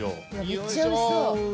めっちゃおいしそう。